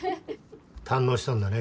堪能したんだね